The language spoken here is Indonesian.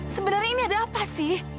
sebenarnya ini ada apa sih